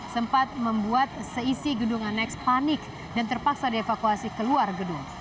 sempat membuat seisi gedung aneks panik dan terpaksa dievakuasi keluar gedung